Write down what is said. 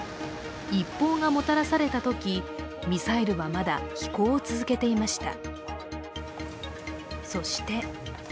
一報がもたらされたとき、ミサイルはまだ飛行を続けていました。